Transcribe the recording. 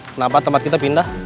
kenapa tempat kita pindah